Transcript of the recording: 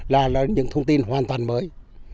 là những thông tin hoàn toàn mới